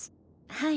はい